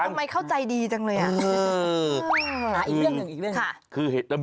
ทำไมเข้าใจดีจังเลยอ่ะ